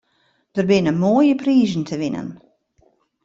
Der binne moaie prizen te winnen.